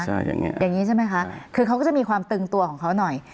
อย่างนี้อย่างนี้ใช่ไหมคะคือเขาก็จะมีความตึงตัวของเขาหน่อย